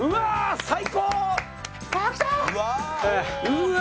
「うわ！」